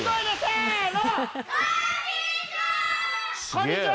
こんにちは！